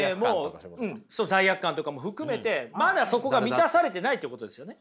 そう罪悪感とかも含めてまだそこが満たされてないということですよね。